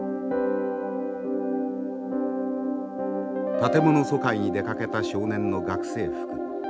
建物疎開に出かけた少年の学生服。